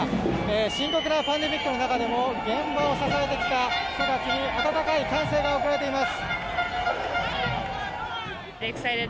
深刻なパンデミックの中でも現場を支えてきた人たちに温かい歓声が送られています。